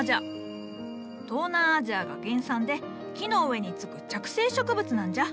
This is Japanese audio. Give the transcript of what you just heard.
東南アジアが原産で木の上につく着生植物なんじゃ。